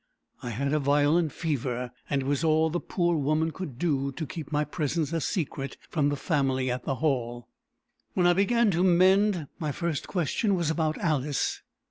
I had a violent fever; and it was all the poor woman could do to keep my presence a secret from the family at the Hall. When I began to mend, my first question was about Alice.